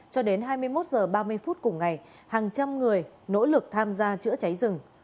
cho đến hai mươi một h ba mươi phút cùng ngày hàng trăm người nỗ lực tham gia chữa cháy rừng